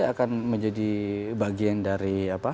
akan menjadi bagian dari